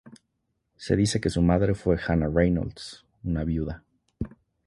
Se dice que su madre fue Hannah Reynolds, una viuda.